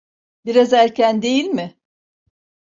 Biraz erken değil mi?